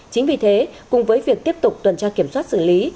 chính vì thế cùng với việc tiếp tục tuần tra kiểm soát xử lý